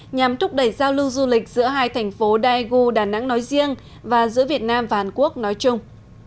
nhằm thúc đẩy giao lưu du lịch giữa hai thành phố daegu đà nẵng nói riêng và giữa việt nam và hàn quốc nói chung